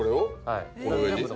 はい。